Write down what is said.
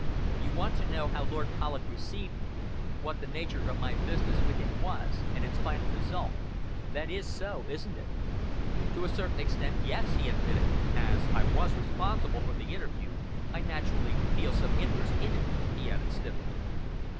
You want to know how Lord Polloch received me, what the nature of my business with him was, and its final result. That is so, isn't it?" "To a certain extent, yes!" he admitted; "as I was responsible for the interview, I naturally feel some interest in it," he added stiffly.